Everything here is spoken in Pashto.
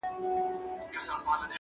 • د سټیج له سر څخه -